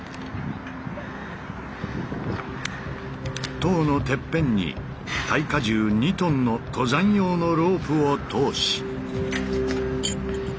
塔のてっぺんに耐荷重２トンの登山用のロープを通し。